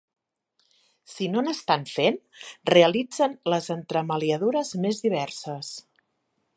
Si no n'estan fent, realitzen les entremaliadures més diverses.